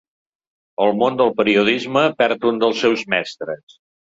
El món del periodisme perd un dels seus mestres.